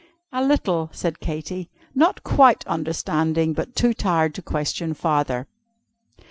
"A little," said Katy, not quite understanding, but too tired to question farther.